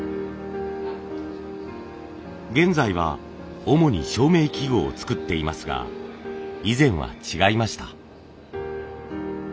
現在は主に照明器具を作っていますが以前は違いました。